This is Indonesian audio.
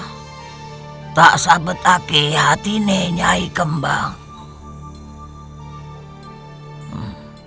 untuk memperbaiki kemampuan aku